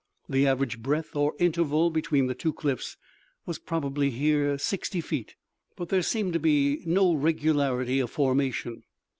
The average breadth or interval between the two cliffs was probably here sixty feet, but there seemed to be no regularity of formation.